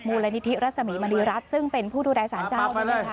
มูลนิธิรัศมีมณีรัฐซึ่งเป็นผู้ดูแลสารเจ้า